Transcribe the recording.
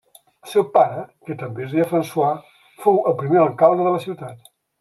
El seu pare, que també es deia François, fou el primer alcalde de la ciutat.